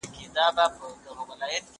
کتابونه وليکه!.